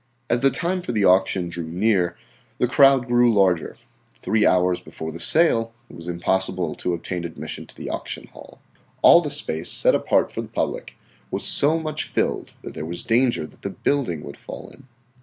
As the time for the auction drew near the crowd grew larger. Three hours before the sale it was impossible to obtain admission to the auction hall. All the space set apart for the public was so much filled that there was danger that the building would fall in.